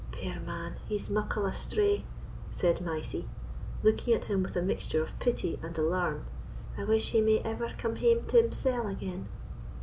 "Puir man, he's muckle astray," said Mysie, looking at him with a mixture of pity and alarm; "I wish he may ever come hame to himsell again."